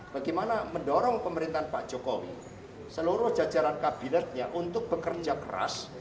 bagaimana mendorong pemerintahan pak jokowi seluruh jajaran kabinetnya untuk bekerja keras